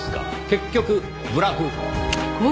結局ブラフ。